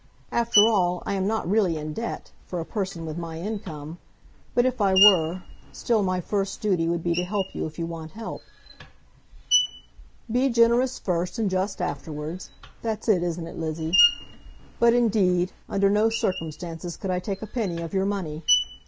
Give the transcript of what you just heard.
After all, I am not really in debt, for a person with my income; but if I were, still my first duty would be to help you if you want help." "Be generous first, and just afterwards. That's it; isn't it, Lizzie? But indeed, under no circumstances could I take a penny of your money.